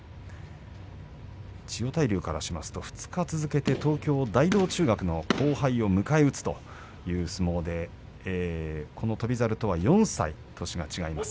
千代大龍からしますと２日続けて東京大道中学の後輩を迎え撃つという相撲でこの翔猿とは４歳年が違います。